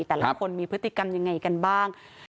แต่ละคนมีพฤติกรรมยังไงกันบ้าง